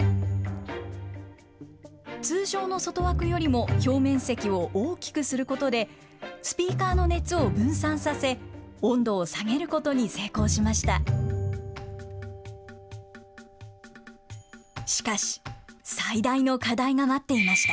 通常の外枠よりも表面積を大きくすることで、スピーカーの熱を分散させ、温度を下げることに成功しました。